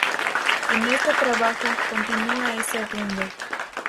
En este trabajo continúa ese rumbo.